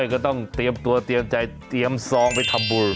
ก็ต้องเตรียมตัวเตรียมใจเตรียมซองไปทำบุญ